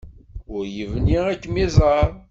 Ur yebni ad kem-iẓer.